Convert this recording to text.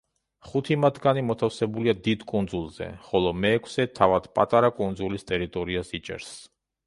ხუთი მათგანი მოთავსებულია დიდ კუნძულზე, ხოლო მეექვსე თავად პატარა კუნძულის ტერიტორიას იჭერს.